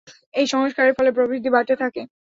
এই সংস্কারের ফলে প্রবৃদ্ধি বাড়তে থাকে।